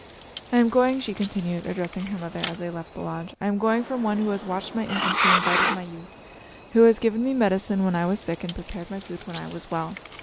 "I am going," she continued, addressing her mother as they left the lodge, "I am going from one who has watched my infancy and guarded my youth; who has given me medicine when I was sick and prepared my food when I was well.